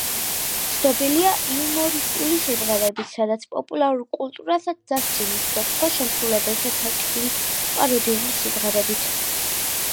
ცნობილია იუმორისტული სიმღერებით, სადაც პოპულარულ კულტურასაც დასცინის და სხვა შემსრულებელთა ცალკეული პაროდიული სიმღერებით.